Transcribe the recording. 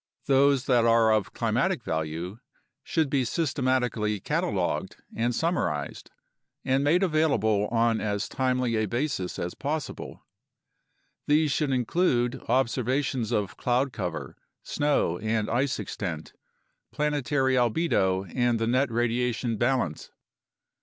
Those that are of climatic value should be systematically cataloged and summarized and made available on as timely a basis as possible. These should include observations of cloud cover, snow, and ice extent; planetary albedo; and the net radiation balance.